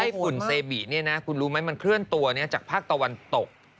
ฝุ่นเซบิเนี่ยนะคุณรู้ไหมมันเคลื่อนตัวจากภาคตะวันตก